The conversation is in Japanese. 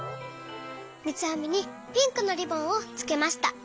みつあみにピンクのリボンをつけました。